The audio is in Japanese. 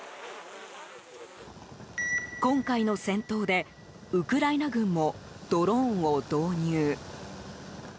今回の戦闘でウクライナ軍もドローンを導入。